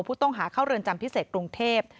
ผู้ต้องหาเข้าเรือนจำพิเศษกรุงเทพ